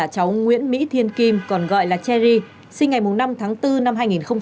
cháu nguyễn mỹ thiên còn gọi là cherry sinh ngày năm tháng bốn năm hai nghìn hai mươi